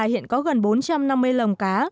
hiện có gần bốn trăm năm mươi lồng cá